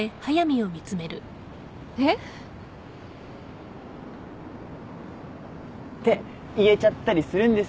えっ？って言えちゃったりするんですよね。